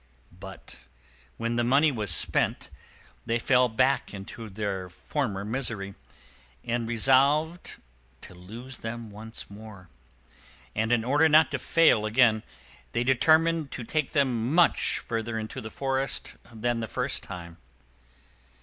But when the money was spent, they fell back into their former misery, and resolved to lose them once more; and in order not to fail again, they determined to take them much further into the forest than the first time.